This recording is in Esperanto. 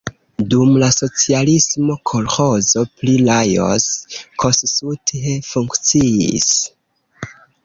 Dum la socialismo kolĥozo pri Lajos Kossuth funkciis.